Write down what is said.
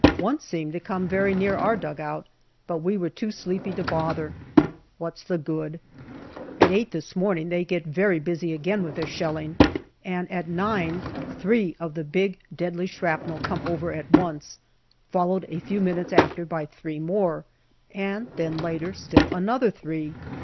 One seemed to come very near our dugout, but we were too sleepy to bother. What's the good ? At eight this morning they get very busy again with their shelling, and at nine three of the big deadly shrapnel come over at once, followed a few minutes after by three more, and then later still another three.